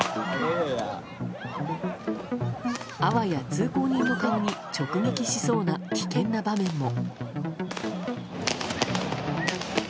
あわや通行人の顔に直撃しそうな危険な場面も。